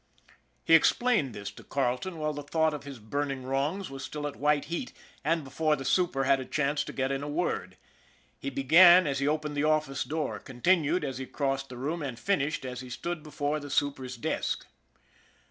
He explained this to Carleton while the thought of his burning wrongs was still at white heat, and before the super had a chance to get in a word. He began as he opened the office door, continued as he crossed the room, and finished as he stood before the super's desk.